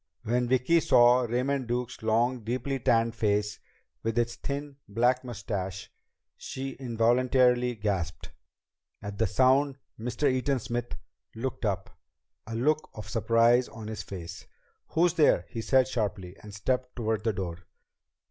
When Vicki saw Raymond Duke's long, deeply tanned face with its thin black mustache, she involuntary gasped. At the sound Mr. Eaton Smith looked up, a look of surprise on his face. "Who's there?" he said sharply, and stepped toward the door.